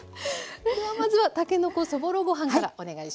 まずはたけのこそぼろご飯からお願いします。